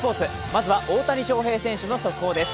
まずは大谷翔平選手の速報です。